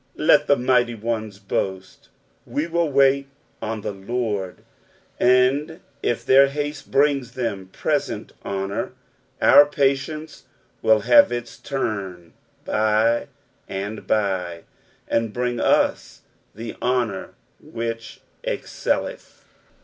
Let the mighty ones boast, we will wait on the Lord ; and it their haste brings them present honour, our patience will have ita turn by and by, and bring us the honour which excelleth.